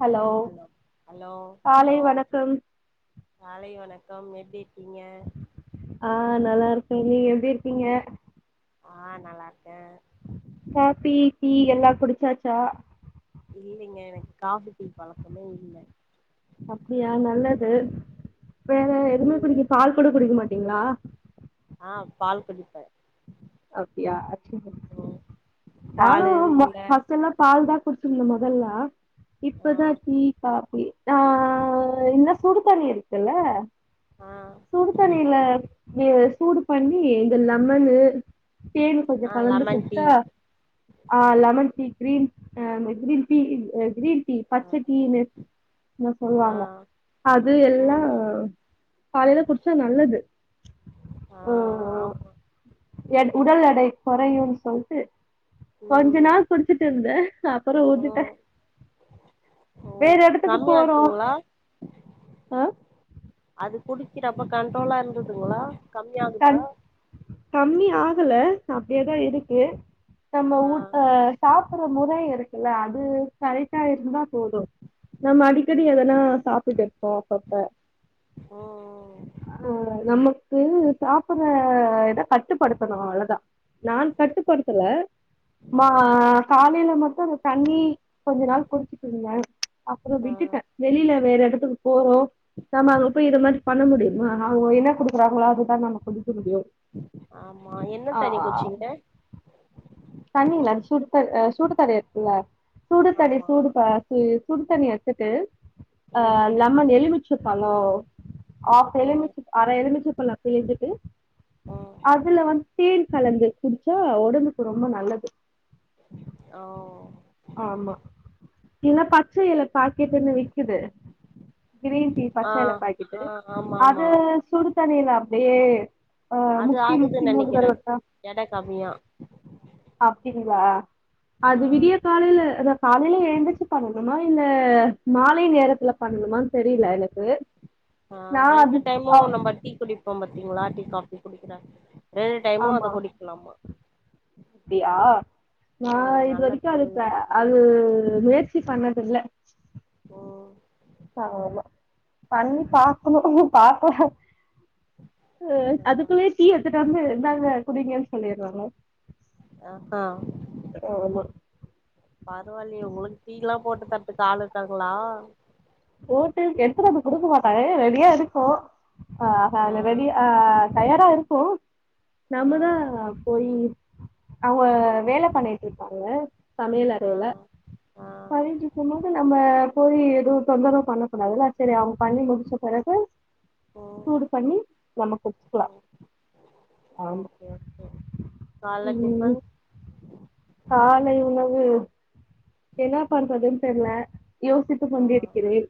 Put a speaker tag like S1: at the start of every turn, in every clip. S1: hello காலை வணக்கம்
S2: காலை வணக்கம் எப்டி இருக்கீங்க
S1: ஆஹ் நல்லாருக்கே நீங்க எப்டி இருக்கீங்க
S2: ஆஹ் நல்லார்க்கே
S1: காப்பி, டீ எல்லா குடிச்சாச்சா
S2: இல்லீங்க எனக் கா [unintelligible]
S1: அப்டியா நல்லது வேற எதுவுமே
S2: நீங்க
S1: குடிக்க பால் கூட குடிக்க மாட் அப்டீங்களா
S2: ஆஹ் பால் குடிப்ப
S1: அப்டியா அச்சு நானு
S2: பாலு
S1: மொ
S2: இல்ல
S1: ஃபஸ்ட்டெல்லா பால்தா [unintelligible] மொதல்லா
S2: ஆ
S1: இப்பதா டீ காபி ஆ என்ன சுடு தண்ணி இருக்குல்ல
S2: ஆ
S1: சுடு தண்ணில ஏ சூடு பண்ணி இந்த லெமனு தேனு கொஞ்சொ
S2: ஆ
S1: கலந்து
S2: லெமன் டீ
S1: குட்ச்சா ஆஹ் லெமன் டீ க்ரீன் ஆ அந்த க்ரீன் டீ க்ரீன் டீ
S2: ஆ
S1: பச்ச டீ ன்னு
S2: ஆ
S1: சொல்லுவாங்க அது எல்லா
S2: ம்
S1: காலையில குடிச்சா நல்லது
S2: ஆ
S1: அ அ
S2: ஆமா
S1: என் உடல் எடை கொறையுன் சொல்ட்டு கொஞ்ச
S2: ம்
S1: நாள் குடிச்சிட்டு இருந்தே அப்புற
S2: ஓ
S1: ஊதிட்டே
S2: ஓ
S1: வேற இடத்துக்கு போறோம்
S2: கம்மியாச்சுங்களா
S1: ஆ
S2: அது குடிக்கிற அப்ப கண்ட்ரோலா இருந்ததுங்களா கம்மியாகுதா
S1: கம் கம்மி ஆகுல அப்படியேதா இருக்கு நம்ம
S2: ஆ
S1: ஊட் அஹ் சாப் சாப்புற முறை இருக்குல்ல அது கரைக்டா இருந்தா போது நம்ம அடிக்கடி அதெல்லா சாப்பிட்டு போப்பப்ப
S2: ம்
S1: ஆஹ் நம்ம உம் சாப்பற இத கட்டுப்படுத்தணு அவ்ளதா நான் கட்டுப்படுத்தற
S2: ம் ஆ
S1: மா காலையில மட்டு அந்த தண்ணி கொஞ்ச நாள் குடிச்சுட்டு இருந்தே அப்புறம்
S2: ஆ
S1: விட்டுட்டே வெளில வேற லு எடத்துக்கு போறோ நம்ம அங்க போய் இந்த மாரி பண்ண முடியுமா அவங்க என்ன குடுக்குறாங்களோ அதுதா நம்ம உ [unintelligible]
S2: ஆமா என்ன தண்ணி குடிச்சீங்க
S1: தண்ணில அது சுடு த் சுடுதண்ணி இருக்குல சூடு தணி
S2: ஆமா
S1: சூடு ப ச சுடு தண்ணிய வச்சிட்டு
S2: ம்
S1: அஹ் லெமன் எழுமு ச்சபலோ ஆஃப்
S2: ம்
S1: எலுமிச்ச அர எலுமிச்ச பழம் பிழிஞ்சுட்டு
S2: ம்
S1: அதுல வந்து தேன் கலந்து குடிச்சா [unintelligible] ரொம்ப நல்லது
S2: ஓ
S1: ஆமா இல்ல பச்சை எலை பாக்கெட்டுன்னு விக்குது கிரீன் டீ
S2: ஆ
S1: பச்ச எல பாக்கட்டு
S2: ஆ ஆமா ஆமா
S1: அது சுடு தண்ணியில [unintelligible]
S2: அது ஆகுதுன்னு நெனைக்கிறே எட கம்மியா
S1: அப்டிங்களா அது
S2: ஆ
S1: விடிய காலேல்ல அத காலேல்ல எழுந்திருச்சு பண்ணணுமா இல்ல மாலை நேரத்துல பண்ணணுமான் தெரியல எனக்கு நா
S2: ஆஹ் ரெண்டு
S1: அது ஆ
S2: டைமும் நம்ப டீ குடிப்போம் பாத்தீங்களா டீ காபி குடிக்கிறாங் ரெண்டு டைமு அத குடிக்கலாமா
S1: அப்படியா நா
S2: ம்
S1: இது வரைக்கு
S2: நல்லது
S1: அதுல
S2: அப்டின்னாங்க
S1: அது முயற்சி பண்ணதுல்ல
S2: ம்
S1: ஆமா பண்ணி பாக்கணு பாக்கல அ
S2: ம்
S1: அதுக்குள்ளயே டீ எடுத்துட்டு வந்து இந்தாங்க குடிங்கன்னு சொல்லிடுவாங்க
S2: ஆ ஹா
S1: ஆமா
S2: பரவாயில்லையே உங்களுக்கு டீல்லா போட்டு தரத்துக்கு ஆளுருக்காங்களா
S1: போட்டு எடுத்துட்டு வந்து குடுக்க மாட்டாங்க ரெடியா இருக்கு ஆ ஹா அந்தப் ரெடி ஆ தயாரா இருக்கும்
S2: ஆ
S1: நம்மதா போயி அவுங்க வேலப் பண்ணிட்டு இருப்பாங்க சமையல்
S2: ஆ
S1: அறையில
S2: ஆ
S1: பதிஞ்சி [unintelligible] நம்ம போய் எது தொந்தரவு பண்ணக்கூடாதுல்ல சேரி அவுங்க பண்ணி முடிச்ச பெறகு
S2: ம்
S1: சூடு பண்ணி நம்ம குடிச்சுக்கலா
S2: ம்
S1: ஆமா
S2: ஓகே ஓகே கால்ல
S1: உம்
S2: டிஃபன்
S1: காலை உணவு என்ன பாண்றதுன் தெர்ல யோசித்துக்
S2: ஆ
S1: கொண்டிருக்கிறேன்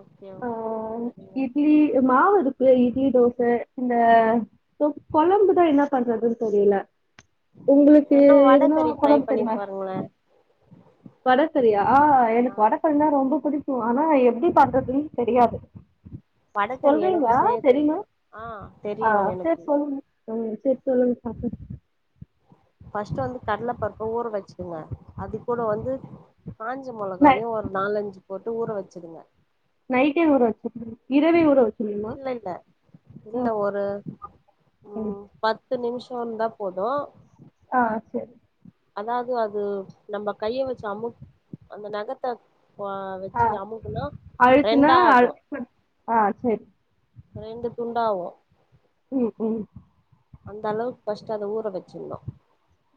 S2: ஓகே
S1: அ
S2: ஓகே சரிங்க
S1: இட்லி மாவுருக் இல இட்லி தோச இந்த [unintelligible] கொழம்புதா என்ன பண்றதுன்னு தெரியல உங்களுக்கு
S2: வேணா
S1: எதுனா
S2: வடகறி ட்ரை
S1: குழம்பு
S2: பண்ணி
S1: தெரியமா
S2: பாருங்களே
S1: வடகரியா
S2: ஆ
S1: எனக்கு வடக்கரினா ரொம்ப புடிக் ஆனா எப்பிடி பண்றது தெரியாது
S2: வடகறி எனக்கு
S1: சொல்றீங்களா
S2: செய்ய
S1: தெரியுமா
S2: தெரியு ஆ தெரியு
S1: ஆஹ் சேர்
S2: எனக்கு
S1: சொல்லுங்க ம் சேர் சொல்லுங்க பாக்லா
S2: ஃபஸ்ட் வந்து கடல பருப்ப ஊற வச்சுக்கங்க அது கூட வந்து காஞ்ச
S1: நை
S2: மொளகாவையும் ஒரு நாலஞ்சு போட்டு ஊற வச்சிடுங்க
S1: நைக்டே ஊர வச்சர்னுமா இரவே ஊர வச்சு
S2: இல்ல இல்ல இல்ல ஒரு
S1: ம்
S2: உம் பத்து நிமிஷம் சிவந்தா போதும்
S1: ஆஹ் சேரி
S2: அதாவது அது நம்ம கைய வச்சு அமுக் அந்த நகத்த
S1: ஆ
S2: வச்சு அமுக்குனா ரெண்டா ஆகு
S1: ஆஹ் சேரி
S2: ரெண்டு துண்டாவு
S1: ம் ம்
S2: அந்த அளவுக்கு பர்ஸ்ட் அத ஊற வச்சிரணு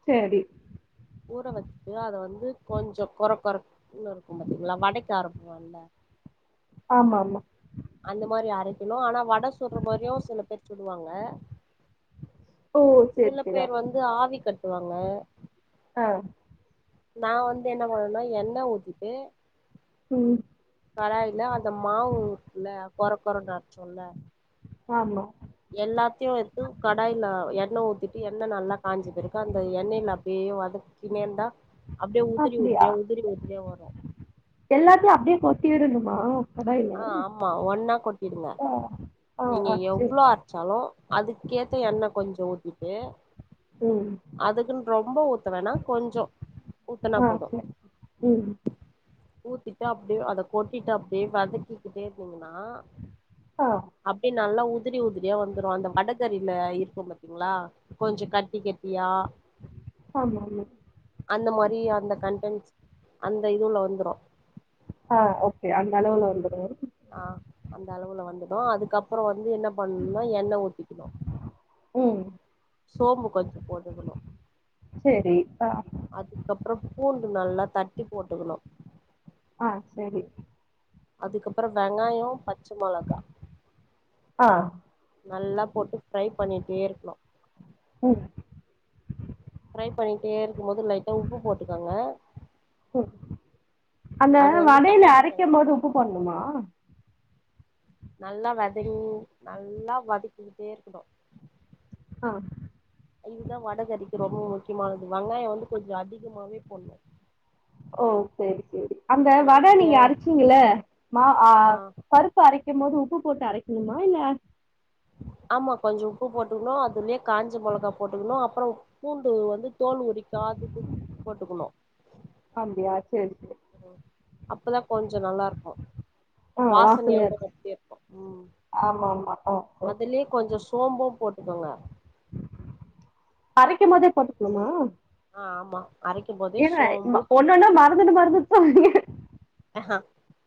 S1: சேரி
S2: ஊற வச்சுட்டு அத வந்து கொஞ்ச கொரகொரன்னு இருக் கு பாத்திங்களா வடைக்கு அரப்பம்ல்ல
S1: ஆமா ஆமா
S2: அந்த மாரி அரைக்கணும் ஆனா வடை சுட்ற மாதிரியு சில பேர் சுடுவாங்க
S1: ஓ சேரி
S2: சில
S1: சேரி
S2: பேர்
S1: ஆமா
S2: வந்து ஆவி கட்டுவாங்க
S1: ஆ
S2: நா வந்து என்ன பண்ணுவனா எண்ண ஊத்திட்டு
S1: ம்
S2: கடாயில அந்த மாவு இருக்குல கொரகொரன்னு அரச்சோல்ல
S1: ஆமா
S2: எல்லாத்தையும் எத்து கடாயில எண்ண ஊத்திட்டு எண்ண நல்லா காஞ்ச பிறகு அந்த எண்ணய்ல அப்டியே வதக்கினே இருந்தா அப்டியே உதிரி
S1: அப்டியா
S2: உதிரியா உதிரி உதிரியா வரு
S1: எல்லாத்தையும் அப்டியே கொத்தி விடணும் மா
S2: ஆ ஆமா ஒன்னா கொட்டிடுங்க
S1: ஆ ஆ
S2: நீங்க
S1: ஆ சேரி
S2: எவ்ளோ அரச்சாலு அதுக்கேத்த எண்ண கொஞ்சோ ஊத்திட்டு
S1: உம்
S2: அதுக்குன்னு ரொம்ப ஊத் த வேணா கொஞ்சோ ஊத்துனா
S1: ஆ
S2: போதும்
S1: சரி ம்
S2: ஊத்திட்டு அப்டியே அத கொட்டிட்டு அப்டியே வதக்கிக்கிட்டே இருந்தீங்கன்னா
S1: ஆஹ்
S2: அப்டியே நல்லா உதிரி உதிரியா வந்துரு அந்த வடகரில இருக்கும் பாத்தீங்களா கொஞ்ச கட்டி கட்டியா
S1: ஆமா ஆமா
S2: அந்த மாரி அந்த கண்டன்ட்ஸ் அந்த இதுல வந்து ரு
S1: ஆ ஓகே அந்த அளவுல வந்துரு
S2: ஆ அந்த அளவுல வந்துடும் அதுக்கப்புறம் வந்து இது என்ன பண்ணும்னா எண்ண ஊத்திக்கணும்
S1: ம்
S2: சோம்பு கொஞ்சம் போட்டுக்கணும்
S1: சேரி ஆ
S2: அதுக்கப்பறம் பூண்டு நல்லா தட்டி போட்டுக்கணு
S1: ஆ சரி
S2: அதுக்கப்பறம் வெங்காயம் பச் சும்மா அழகா
S1: ஆ
S2: நல்லா போட்டு ஃப்ரை பண்ணிட்டே இருக்கணும்
S1: ம்
S2: ஃப்ரை பண்ணிட்டே இருக்கும்போது லைட்டா உப்பு போட்டுக்காங்க
S1: ம் அந்த
S2: அது வந்து
S1: வடையில
S2: கலாடி
S1: அரைக்கும் போது
S2: பழக்க
S1: உப்பு போடணுமா
S2: நல்லா வத நல்லா வதக்கிட்டே இருக்கணும்
S1: ஆ
S2: இதுதா வட கறிக்கு ரொம்ப முக்கியமானது வெங்காயம் வந்து கொஞ்சம் அதிகமாவே போடணும்
S1: ஓ சரி சரி அந்த வட நீங்க அரைச்சீங்கள மா
S2: ஆ
S1: பருப் அரை க போது உப்பு போட்டு அரைக்கணுமா இல்ல
S2: ஆமா கொஞ்சம் உப்பு போட்டுக்கணும் அதுலேயே காஞ்ச மிளகா போட்டுக்கணும் அப்புறம் பூண்டு வந்து தோல் உறிக்காது போட்டுக்கணும்
S1: அப்டியா சேரி சேரி
S2: அப்பதா கொஞ்சம் நல்லா இருக்கும்
S1: ஆ வாசனையா
S2: வாசனையாம
S1: இருக்கு
S2: அப்படி இருக்கும் உம்
S1: ஆமா ஆமா ஆ சேரி
S2: அதுலயே கொஞ்சம் கொஞ்ச சோம்பும் போட்டுக்கோங்க
S1: அரைக்க போதே போட்டுக்கணுமா
S2: ஆ ஆமா அரைக்கும் போதே
S1: ஏன
S2: சோம்பு
S1: ஒன்னொன்னா மருதுன்னு மறந்துட்டு போறீங்க
S2: அஹஹ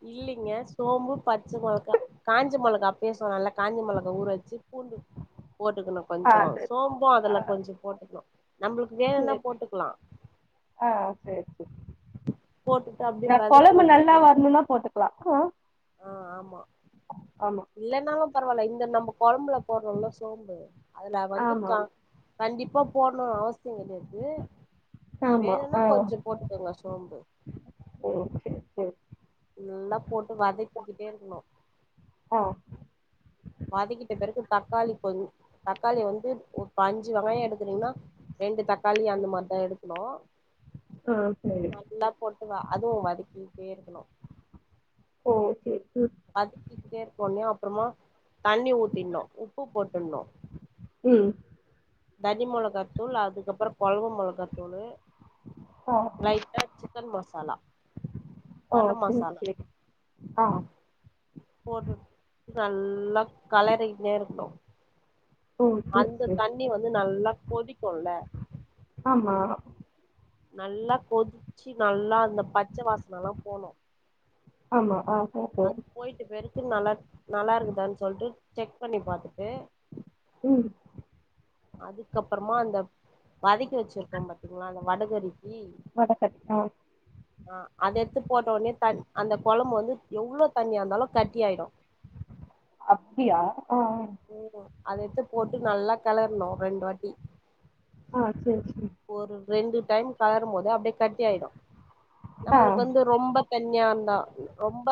S2: இல்லைங்க சோம்பு பச்ச மிளக காஞ்ச மிளக அப்பயே சொன்னல காஞ்ச மிளக ஊற வச்சு பூண்டு போட்டுக்கணும்
S1: ஆ
S2: கொஞ்சம்
S1: சேரி
S2: சோம்பம்
S1: ஆ
S2: அதுல கொஞ்சம் போட்டுக்கணும் நம்மளுக்கு வேணனா
S1: சேரி
S2: போட்டுக்கலாம்
S1: ந குழம்பு
S2: வதக்குறோ
S1: நல்லா
S2: பாத்தீங்களா
S1: வரணும்னா போட்டுக்கலாம்ஹ
S2: இல்லன்னா பரவாயில்ல இந்த நம்ம குழம்புல போடுறோம்ல சோம்பு அதுல வந்து
S1: ஆமா
S2: கண்டிப்பா போடணும் அவசியம் கிடையாது வேணும்னா கொஞ்சம் போட்டுக்கோங்க சோம்பு
S1: ஓகே சரி
S2: நல்ல போட்டு வதச்சுக்கிட்டே இருக்கணும்
S1: ஆ
S2: வதிக்கிட்ட பிறகு தக்காளி கொ தக்காளி வந்து ஒரு அஞ்சு வகைய எடுக்கறீங்கன்னா ரெண்டு தக்க காளி அந்த மாதிரி தா எடு ஹலோ
S1: ஆ சரி
S2: நல்லா போட்டு வா அதுவு வதக்கி சேர்க்கணு
S1: ஓ ச
S2: அது [unintelligible] அப்புறமா தண்ணி ஊத்திணு உப்பு போட்டுணு
S1: உம்
S2: தனி மொளகாத்தூள் அதுக்கப்பற கொழம்ப மொளகாத்தூள்
S1: ஆ
S2: லைட்டா சிக்கன் மசாலா
S1: ஓ
S2: கரம்
S1: சேரி
S2: மசாலா
S1: சேரி ஆ
S2: போட்டு நல்லா கலரிங்கேயிருக்கனு
S1: ஓ சேரி
S2: அந்த
S1: சேரி
S2: தண்ணி வந்து நல்லா கொதிக்குல்ல
S1: ஆமா
S2: நல்லா கொதிச்சு நல்லா அந்தப் பச்ச வாசனயெல்லா போனு
S1: ஆமா ஆ ஓஹோ
S2: அது போயிட்டுபிருக்கு நல்லா நல்லா இருக்குதான் சொல்ட்டு செக் பண்ணி பாத்துட்டு
S1: உம்
S2: அதுக்கப்பறமா அந்த வதக்கிவச்சிருக்கோ பாத்தீங்களா அந்த வடகறி ஈ
S1: வடசட்டி ஆ
S2: ஆஹ் அதையெடுத்து போட்டஒண்ணே தன் அந்த கொளம்பு வந்து எவ்ளோ தண்ணிாயிருந்தாலு கட்டியாயிடு
S1: அப்டியா ஆ
S2: ம் அத எத்துப்போட்டு நல்லா கெளர்னு ரெண்டு வாட்டி
S1: ஆஹ் செர் செ
S2: ஒரு ரெண்டு டைம் களறும்போது அப்டே கட்டியாயிடு
S1: ஆ
S2: நம்மளுக்கு வந்து ரொம்ப தண்ணியாந்தா ரொம்ப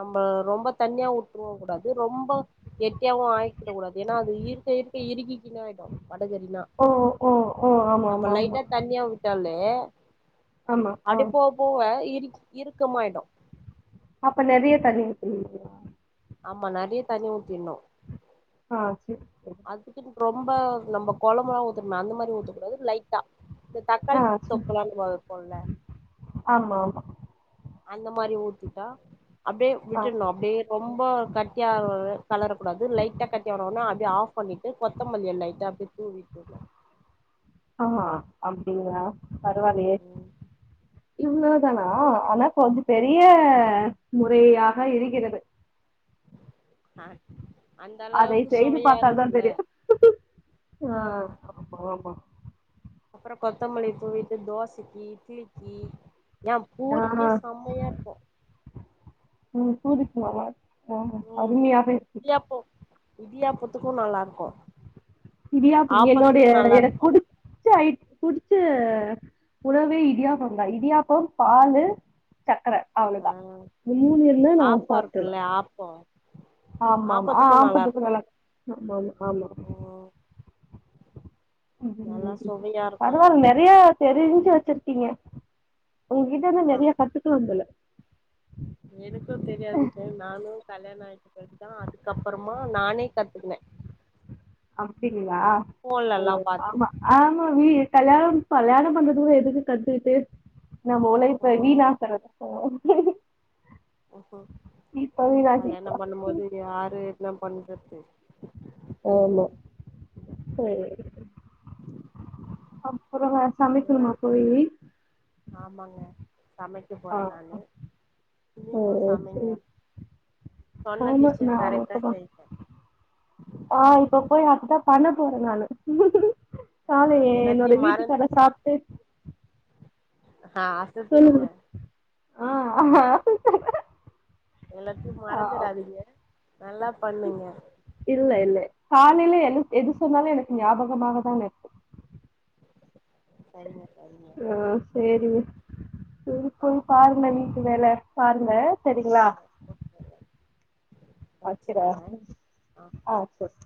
S2: நம்ம ரொம்ப தன்னியா உட்ரவும் கூடாது ரொம்ப கெட்டியாவு ஆய்க்கிடகூடாது ஏன்னா அது இருக்க இருக்க இருக்கிக்கின்னே ஆயிடு வடகறினா
S1: ஓ ஓ ஓ ஆமா ஆமா ஆமா
S2: லைட்டா தண்ணியாவிட் சொன்னே
S1: ஆமா ஆ
S2: அப்டே போபோவ இரு இருக்கமாயிடு
S1: அப்ப நெறைய தண்ணி ஊத்தணுங்களா
S2: ஆமா நெறைய தண்ணி ஊத்தின்னு
S1: ஆஹ்ஸ்
S2: அதுக்குன் ரொம்ப நம்ம கொலம்புலா ஊத்னுமே அந்தமாரி ஊத்துக்கூடாது லைட்டா இந்த
S1: ஆ
S2: தக்காளி
S1: சேரி
S2: தொப்புலா [unintelligible]
S1: ஆமா ஆமா
S2: அந்த மாரி ஊத்திட்டா அப்டே
S1: ஆ
S2: விட்டுனு அப்டே ரொம்ப ரொம்ப கட்டியாவு கலரக் கூடாது லைட்டா கட்டியான ஒண்ணே அப்டியே ஆஃப் பண்ணிட்டு கொத்தமல்லிய லைட்டா அப்டியே தூவிட்டுனு
S1: ஆஹ் அப்டிங்களா பரவாலயே
S2: ம்
S1: இன்னா ஆனா
S2: தூவி
S1: ஆனா கொஞ்ச பெரிய
S2: ஆமா
S1: [unintelligible] பேயாக எறிகிறது
S2: ஆஹ்
S1: அதை செய்து பார்த்தால் தான் தெரியும் ஹ ஆமா ஆமா
S2: அப்ரோ கொத்தமல்லி தூ விட்டு தோசைகி இட்லிக்கி யாம் பூரிக்கே
S1: ஆ
S2: செம்மையா இருக்கு
S1: ம் சூதிக்மாமா ஓஹோ அருமையாக இருக்கு
S2: இடியாபொத்துக்கு நல்லா இருக்கு
S1: இடியாப்போ
S2: ஆப்பத்துக்கு
S1: என்னோடய
S2: நல்லா
S1: எனக்கு
S2: இருக்கு
S1: புடிச்ச அயிட் புடிச் ச்ச உணவே இடியாப்போ தா இடியாப்போ பாலு சக்கர
S2: ஆ
S1: அவ்ளதா மு மூனுவேர்ல நா
S2: ஆப்போ
S1: சாப்ட்ருவே
S2: இருக்குல்ல ஆப்போ
S1: ஆமா ஆமா ஆ ஆப்பத்துக்கு நல்லா இருக்கு [unintelligible] ஆமா
S2: ம் நல்லா சுவையா இருக்கு
S1: பரவா நறைய தெரிஞ்சி வச்சிருக்கீங்க உங்கிட்ட நா
S2: ஆஹா
S1: நெறைய கத்துக்கிலாம் போல
S2: எனக்கு தெரியாதுக நானு கல்யாண ஆயிட்ட பிறகுதா அதுக்கப்பறமா நானே கத்துக்கின
S1: அப்டிங்ளா ஓ
S2: பாத்து
S1: ஆமா ஆமா [unintelligible] கல்யாணம் கல்யாணம் பண்றதுகுள்ள எதுக்கு கத்துகிட்டு நம்ம உழைப்ப வீணாக்கறது போது
S2: ம் ஹ்
S1: இப்ப வீணாக்கிக்கலா
S2: கல்யாணம் பண்ணுபோது யாரு ன்ன பண்ணறது
S1: ஆமா சேரி அப்புறம்
S2: அதனால
S1: சமைக்கணுமா போயி
S2: ஆமாங்க சமைக்க
S1: ஆ
S2: போறே நானு
S1: ஓ
S2: நீங்களும் சமைங்க
S1: சரி
S2: சொன்ன
S1: ஆமா
S2: டிஷ்ச
S1: நா
S2: கரெக்ட்டா
S1: இப்பதா
S2: செய்ங்க
S1: ஆ இப்ப போய் அதுதா பண்ண போற நானு [unintelligible]
S2: ஆ
S1: காலேயே என்னோட
S2: எல்லாத்தையு
S1: வீட்டு
S2: மறந்
S1: கட சாப்டு
S2: ஆ அசத்திடுங்க
S1: ஆ
S2: எல்லாத்தையு
S1: ஆ
S2: மறந்து விடாதீங்க நல்லா பண்ணுங்க
S1: உமேலே எத எது சொன்னாலு எனக்கு ஞாபகமாக தா இருக்கு
S2: சரிங்க சரிங்க
S1: ஆ சேரி உம்
S2: ஆ
S1: போய் பாருங்க
S2: நா
S1: வீட்டு வேல பாருங்க செரிங்களா
S2: கூப்புறே கூப்புறே
S1: வக்கிர
S2: வச்சுறேங்க
S1: ஆ சரி